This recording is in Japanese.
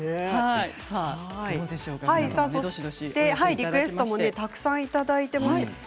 リクエストもたくさんいただいています。